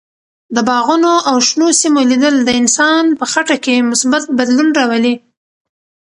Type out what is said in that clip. د باغونو او شنو سیمو لیدل د انسان په خټه کې مثبت بدلون راولي.